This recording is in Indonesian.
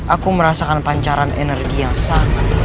aku merasakan pancaran energi yang sangat